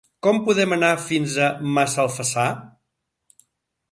Com podem anar fins a Massalfassar?